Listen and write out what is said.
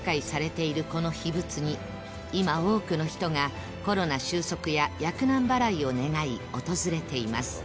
この秘仏に今多くの人がコロナ収束や厄難払いを願い訪れています